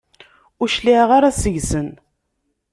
Ur cliɛeɣ ara seg-sen.